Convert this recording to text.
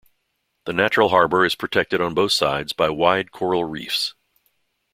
The natural harbour is protected on both sides by wide coral reefs.